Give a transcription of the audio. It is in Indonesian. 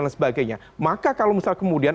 dan sebagainya maka kalau misalnya kemudian